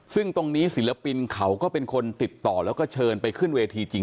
ซึ่งตรงนี้ศิลปินเขาก็เป็นคนติดต่อแล้วก็เชิญไปขึ้นเวทีจริง